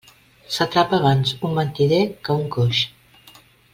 S'atrapa abans un mentider que un coix.